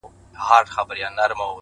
زه د دردونو د پاچا په حافظه کي نه يم!